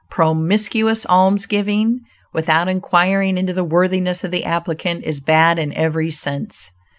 Promiscuous almsgiving, without inquiring into the worthiness of the applicant, is bad in every sense.